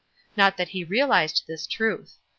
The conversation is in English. Not that he realized this truth.